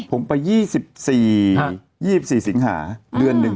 ผมไป๒๔๒๔สิงหาเดือนหนึ่ง